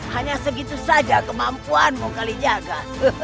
hanya segitu saja kemampuanmu kalijaga